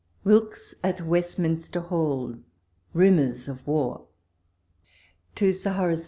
... WILKES AT WESTMINSTER HALL— RUMOURS OF WAIL To Sir Hok.